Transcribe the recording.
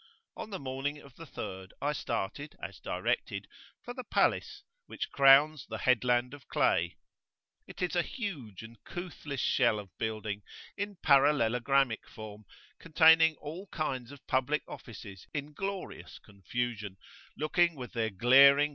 On the morning of the third I started, as directed, for the Palace, which crowns the Headland of Clay. It is a huge and couthless shell of building in parallelogrammic form, containing all kinds of public offices in glorious confusion, looking with their glaring [p.